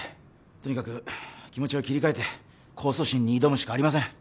とにかく気持ちを切り替えて控訴審に挑むしかありません